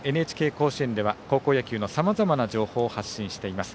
「ＮＨＫ甲子園」では高校野球のさまざまな情報を発信しています。